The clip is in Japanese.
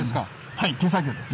はい手作業です。